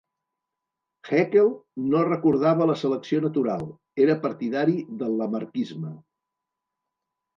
Haeckel no recolzava la selecció natural, era partidari del lamarckisme.